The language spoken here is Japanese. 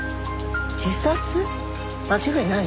間違いない？